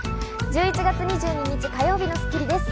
１１月２２日、火曜日の『スッキリ』です。